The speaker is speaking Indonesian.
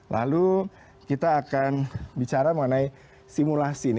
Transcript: lalu kita akan bicara mengenai simulasi ini